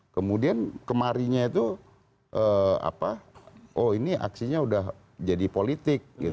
kemudian kemarinnya itu oh ini aksinya udah jadi politik